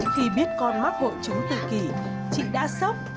khi biết con mắc bộ trứng tự kỷ chị đã sốc